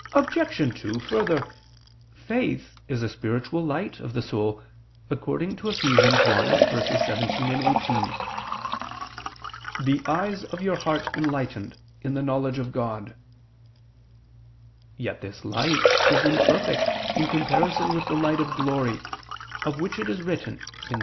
Obj. 2: Further, faith is a spiritual light of the soul, according to Eph. 1:17, 18: "The eyes of your heart enlightened ... in the knowledge of God"; yet this light is imperfect in comparison with the light of glory, of which it is written (Ps.